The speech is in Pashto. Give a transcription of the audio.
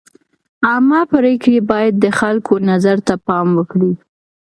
عامه پرېکړې باید د خلکو نظر ته پام وکړي.